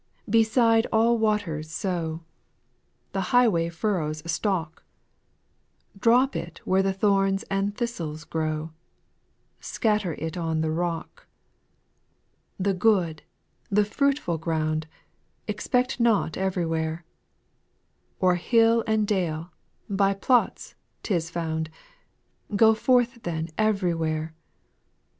2. Beside all waters sow, The highway furrows stock ; Drop it where thorns and thistles grow, Scatter it on the rock. 8. The good, the fruitful ground, Expect not everywhere ; O'er hill and dale, by plots, 't is found ; Go forth then everywhere.